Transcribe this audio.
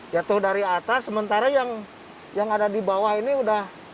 jatuh dari atas sementara yang ada di bawah ini sudah